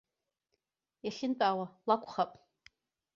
Иахьынтәаауа лакәхап.